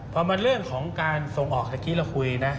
พอมันเรื่องของการส่งออกเมื่อกี้เราคุยนะ